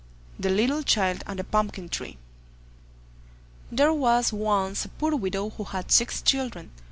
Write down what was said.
THE LITTLE CHILD AND THE PUMPKIN TREE There was once a poor widow who had six children.